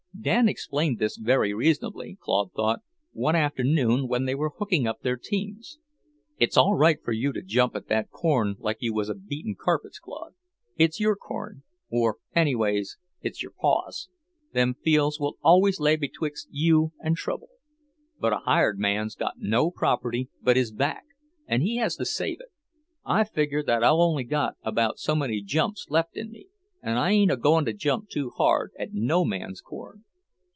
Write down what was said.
Dan explained this very reasonably, Claude thought, one afternoon when they were hooking up their teams. "It's all right for you to jump at that corn like you was a beating carpets, Claude; it's your corn, or anyways it's your Paw's. Them fields will always lay betwixt you and trouble. But a hired man's got no property but his back, and he has to save it. I figure that I've only got about so many jumps left in me, and I ain't a going to jump too hard at no man's corn."